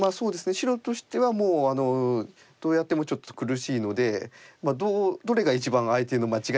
白としてはもうどうやってもちょっと苦しいのでどれが一番相手の間違いを誘えるかというところですかね。